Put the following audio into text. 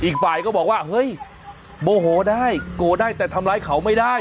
อีกฝ่ายก็บอกว่าเฮ้ยโมโหได้โกรธได้แต่ทำร้ายเขาไม่ได้